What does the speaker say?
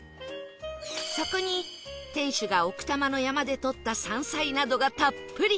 そこに店主が奥多摩の山で採った山菜などがたっぷり！